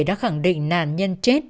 đã khẳng định nạn nhân chết